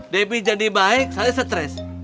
debbie jadi baik saya stres